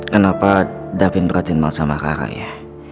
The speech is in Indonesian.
kenapa davin berhati hati sama rara ya